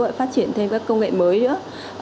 và phát triển thêm các công nghệ mới nữa